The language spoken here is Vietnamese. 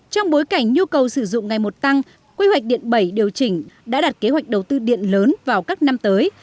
trong bối cảnh nhu cầu sử dụng ngày một tăng quy hoạch điện bảy điều chỉnh đã đặt kế hoạch đầu tư điện lớn vào các năm tới